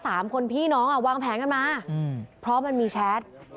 สามคนพี่น้องอ่ะวางแผนกันมาอืมเพราะมันมีแชท